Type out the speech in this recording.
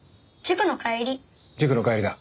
塾の帰りだ。